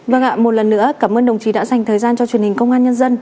vâng ạ một lần nữa cảm ơn đồng chí đã dành thời gian cho truyền hình công an nhân dân